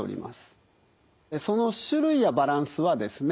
その種類やバランスはですね